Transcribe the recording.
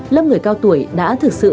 lớp người cao tuổi đã thực sự